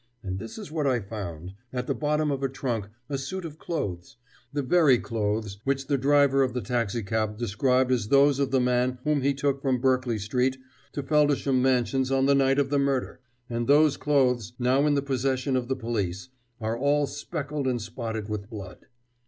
And this is what I found at the bottom of a trunk a suit of clothes, the very clothes which the driver of the taxicab described as those of the man whom he took from Berkeley Street to Feldisham Mansions on the night of the murder. And those clothes, now in the possession of the police, are all speckled and spotted with blood.